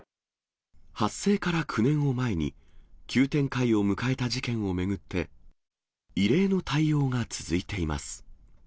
発生から９年を前に、急展開を迎えた事件を巡って、異例の対応が続いています。